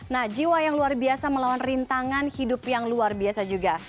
nah jiwa yang luar biasa melawan rintangan hidup yang luar biasa juga